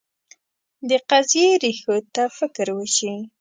د قضیې ریښو ته فکر وشي.